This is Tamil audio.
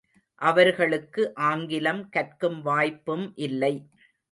அவர்களுக்கு ஆங்கிலம் கற்கும் வாய்ப்பும் இல்லை.